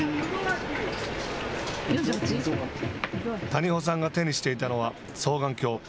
谷保さんが手にしていたのは双眼鏡。